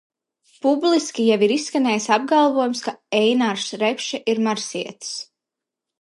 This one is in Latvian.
Publiski jau ir izskanējis apgalvojums, ka Einars Repše ir marsietis.